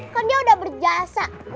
kan dia udah berjasa